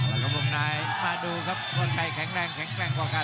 แล้วก็วงในมาดูครับคนไทยแข็งแรงแข็งแกร่งกว่ากัน